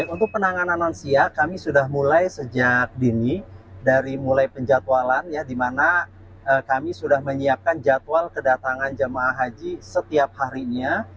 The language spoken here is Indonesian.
untuk penanganan lansia kami sudah mulai sejak dini dari mulai penjatualan di mana kami sudah menyiapkan jadwal kedatangan jemaah haji setiap harinya